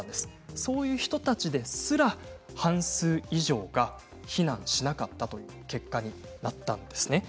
その人たちですら半数以上が避難しなかったという結果でした。